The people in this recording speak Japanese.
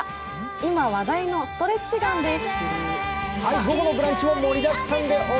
今話題のストレッチガンです。